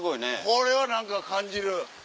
これは何か感じる！